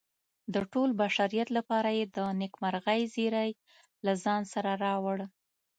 د ټول بشریت لپاره یې د نیکمرغۍ زیری له ځان سره راوړ.